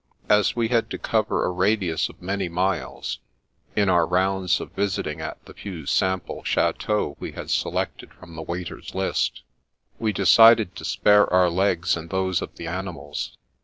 As we had to cover a radius of many miles, in our rounds of visits at the few sample chateaux we had selected from the waiter's list, we decided to spare our legs and those of the animals.